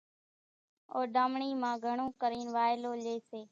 اوڍامڻي مان گھڻون ڪرين وائلو لئي سي۔